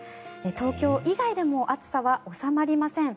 東京以外でも暑さは収まりません。